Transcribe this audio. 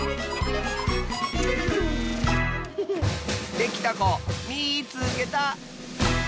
できたこみいつけた！